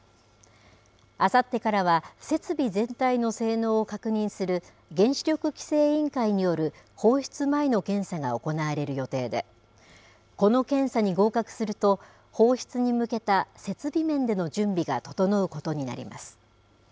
あさってからは、設備全体の性能を確認する、原子力規制委員会による放出前の検査が行われる予定で、この検査に合格すると、放出に向けた設備面での準備が整うことになります。